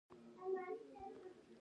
ایا شیریني به کمه کړئ؟